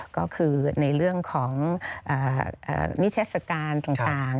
ก็คือในเรื่องของมิถรศการต่างทาง